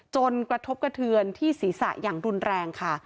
กระทบกระเทือนที่ศีรษะอย่างรุนแรงค่ะ